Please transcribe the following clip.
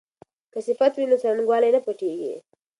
که صفت وي نو څرنګوالی نه پټیږي.